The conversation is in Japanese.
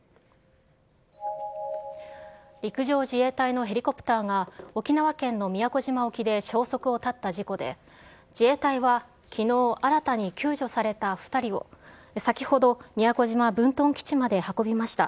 陸上自衛隊のヘリコプターが沖縄県の宮古島沖で消息を絶った事故で、自衛隊はきのう、新たに救助された２人を、先ほど宮古島分屯基地まで運びました。